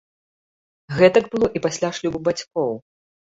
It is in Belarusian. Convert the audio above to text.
Гэтак было і пасля шлюбу бацькоў.